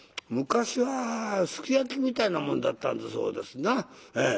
昔はすき焼きみたいなもんだったんだそうですな。